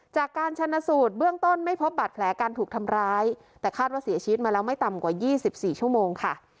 จากการชนสูตรเบื้องต้นไม่พบบาดแผลการถูกทำร้ายแต่คาดว่าเสียชีวิตมาแล้วไม่ต่ำกว่า๒๔ชั่วโมงค่ะ